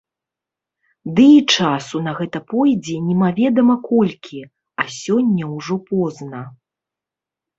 Ды і часу на гэта пойдзе немаведама колькі, а сёння ўжо позна.